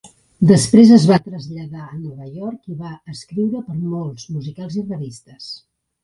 Després es va traslladar a Nova York, i va escriure per molts musicals i revistes.